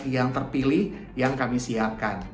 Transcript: yang terpilih yang kami siapkan